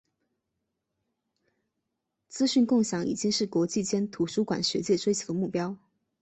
资讯共享已经是国际间图书馆学界追求的目标。